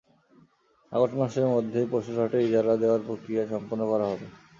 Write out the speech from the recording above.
August মাসের মধ্যেই পশুর হাটের ইজারা দেওয়ার প্রক্রিয়া সম্পন্ন করা হবে।